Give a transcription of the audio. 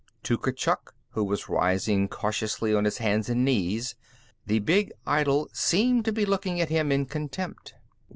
To Kurchuk, who was rising cautiously on his hands and knees, the big idol seemed to be looking at him in contempt.